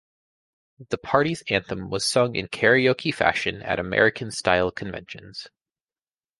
The party's anthem was sung in karaoke fashion at American-style conventions.